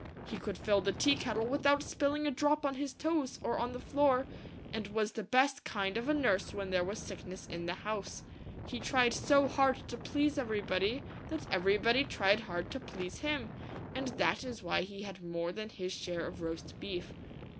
He could fill the tea kettle without spilling a drop on his toes or on the floor ; and was the best kind of a nurse when there was sick ness in the house. He tried so hard to please everybody that everybody tried hard to please him, and that is why he had more than his share of roast beef.